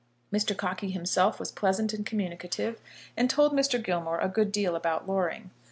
Mr. Cockey himself was pleasant and communicative, and told Mr. Gilmore a good deal about Loring.